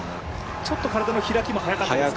ちょっと体の開きも早かったですかね。